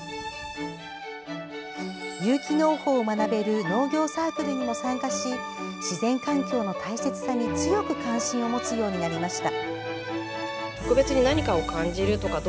有機農法を学べる農業サークルにも参加し自然環境の大切さに強く関心を持つようになりました。